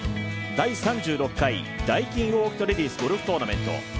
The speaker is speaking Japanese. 第３６回ダイキンオーキッドレディスゴルフトーナメント。